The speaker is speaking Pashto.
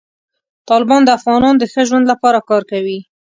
طالبان د افغانانو د ښه ژوند لپاره کار کوي.